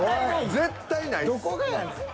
絶対ないです。